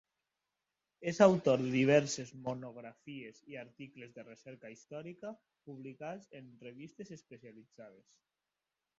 És autor de diverses monografies i articles de recerca històrica publicats en revistes especialitzades.